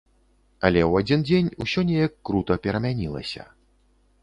Але ў адзін дзень усё неяк крута перамянілася.